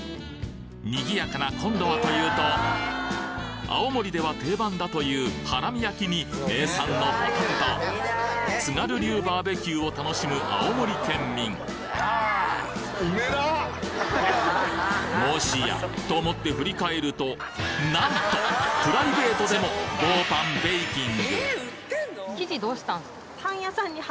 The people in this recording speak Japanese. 賑やかなコンロはというと青森では定番だというハラミ焼きに名産のホタテと津軽流バーベキューを楽しむ青森県民もしやと思って振り返るとなんとプライベートでも棒パンベイキング！